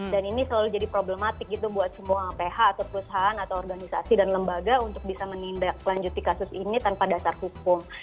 dan ini selalu jadi problematik gitu buat semua ph atau perusahaan atau organisasi dan lembaga untuk bisa menindaklanjuti kasus ini tanpa dasar hukum